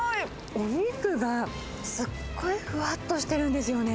お肉がすっごいふわっとしてるんですよね。